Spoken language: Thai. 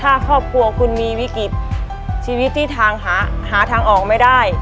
ถ้าครอบครัวคุณมีวิกฤตชีวิตที่ทางหาทางออกไม่ได้